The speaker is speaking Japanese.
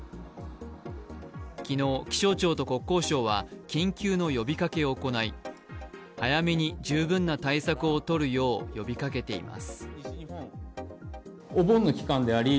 昨日、気象庁と国交省は緊急の呼びかけを行い早めに十分な対策を取るよう呼びかけています。